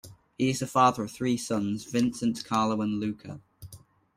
He is the father of three sons, Vincent, Carlo, and Luca.